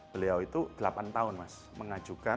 beliau itu delapan tahun mas mengajukan